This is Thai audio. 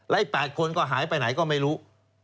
และอีก๘คนก็หายไปไหนก็ไม่รู้